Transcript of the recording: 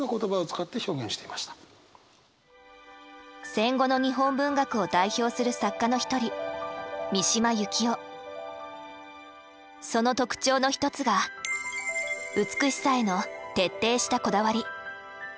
戦後の日本文学を代表する作家の一人その特徴の一つが美しさへの徹底したこだわり。